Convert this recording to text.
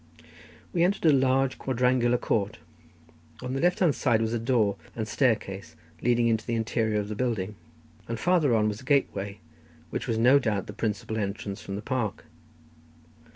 We entered a large quadrangular court; on the left hand side was a door and staircase leading into the interior of the building, and farther on was a gateway, which was no doubt the principal entrance from the park.